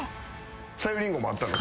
さゆりんごもあったの？